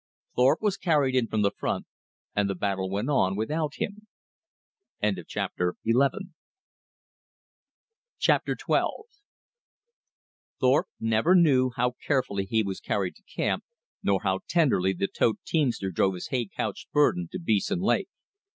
Thorpe was carried in from the front, and the battle went on without him. Chapter XII Thorpe never knew how carefully he was carried to camp, nor how tenderly the tote teamster drove his hay couched burden to Beeson Lake.